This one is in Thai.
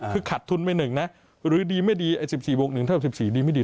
คือขัดทุนไป๑นะหรือดีไม่ดี๑๔วง๑เท่ากับ๑๔ดีไม่ดี